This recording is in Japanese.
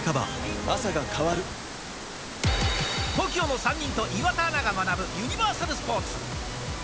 ＴＯＫＩＯの３人と岩田アナが学ぶ、ユニバーサルスポーツ。